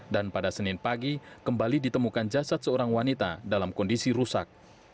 dan pada senin pagi kembali ditemukan jasad seorang wanita dalam kondisi rusak